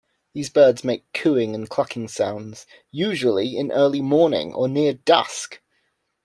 These birds make cooing and clucking sounds, usually in early morning or near dusk.